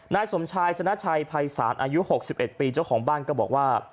นายสมชายชนะชัยภัยศาลอายุ๖๑ปีเจ้าของบ้านก็บอกว่า